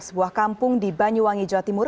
sebuah kampung di banyuwangi jawa timur